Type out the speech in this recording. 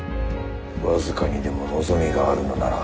僅かにでも望みがあるのなら。